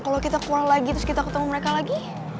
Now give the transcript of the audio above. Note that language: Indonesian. kalau kita kurang lagi terus kita ketemu mereka lagi